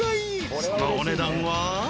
［そのお値段は］